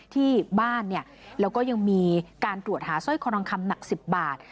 ที่บ้านเนี่ยแล้วก็ยังมีการตรวจหาสร้อยคอทองคำหนัก๑๐บาท